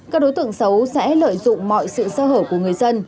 các đối tượng xấu sẽ lợi dụng mọi sự sơ hở của người dân